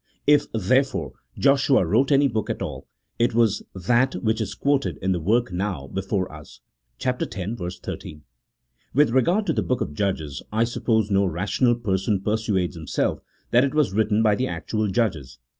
If, therefore, Joshua wrote any hook at all, it was that which is quoted in the work now before us, chap. x. 13. With regard to the book of Judges, I suppose no rational person persuades himself that it was written by the actual Judges.